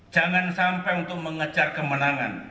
jangan sampai untuk mengejar kemenangan